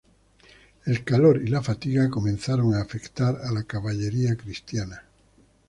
El calor y la fatiga comenzaron a afectar a la caballería cristiana.